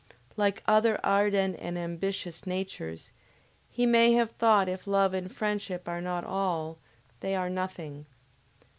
Like other ardent and ambitions natures, he may have thought if love and friendship are not all they are nothing!